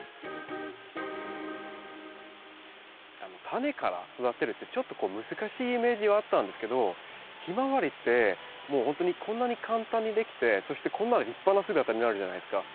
タネから育てるってちょっとこう難しいイメージはあったんですけどヒマワリってもうほんとにこんなに簡単にできてそしてこんな立派な姿になるじゃないですか。